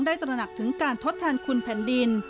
ได้ตระหนักถึงการทดทานขวนแผ่นดิน